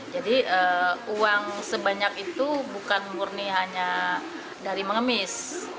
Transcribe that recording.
jadi uang sebanyak itu bukan murni hanya dari mengemis